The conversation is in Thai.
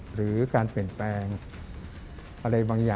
หรือการเปลี่ยนแปลง